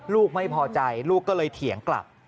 ลูกไม่พอใจลูกก็เลยเถียงกลับ